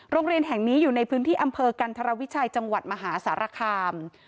โรงเรียนแห่งนี้อยู่ในพื้นที่อำเภอกันธรวิชัยจังหวัดมหาสารคาม